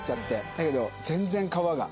だけど全然皮が。